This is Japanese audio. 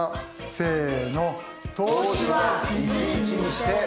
せの。